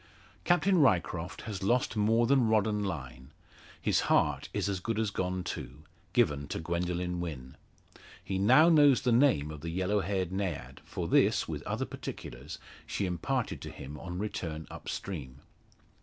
Captain Ryecroft has lost more than rod and line; his heart is as good as gone too given to Gwendoline Wynn. He now knows the name of the yellow haired Naiad for this, with other particulars, she imparted to him on return up stream.